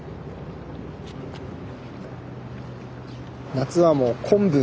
夏はもう昆布。